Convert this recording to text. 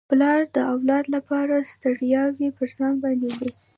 پلار د اولاد لپاره ستړياوي پر ځان باندي وړي.